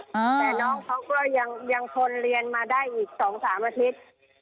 แต่น้องเขาก็ยังทนเรียนมาได้อีก๒๓อาทิตย์